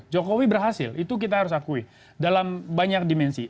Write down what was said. jokowi berhasil itu kita harus akui dalam banyak dimensi